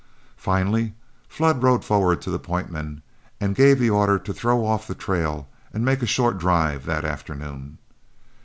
Finally Flood rode forward to the point men and gave the order to throw off the trail and make a short drive that afternoon.